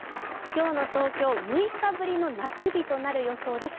今日の東京、６日ぶりの夏日となる予想です。